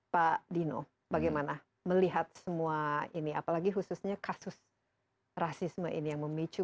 pak dino bagaimana melihat semua ini apalagi khususnya kasus rasisme ini yang memicu